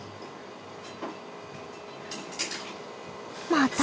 また！